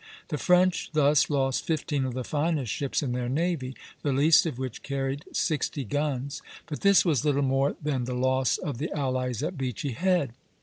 The French thus lost fifteen of the finest ships in their navy, the least of which carried sixty guns; but this was little more than the loss of the allies at Beachy Head.